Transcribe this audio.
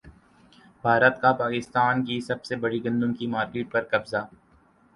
بھارت کا پاکستان کی سب سے بڑی گندم کی مارکیٹ پر قبضہ